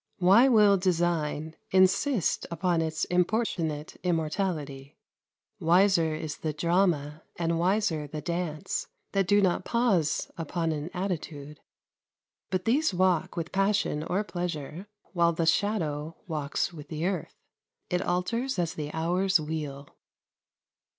Why will design insist upon its importunate immortality? Wiser is the drama, and wiser the dance, that do not pause upon an attitude. But these walk with passion or pleasure, while the shadow walks with the earth. It alters as the hours wheel.